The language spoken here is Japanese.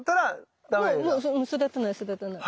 もう育たない育たない。